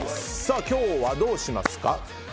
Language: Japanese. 今日はどうしますか？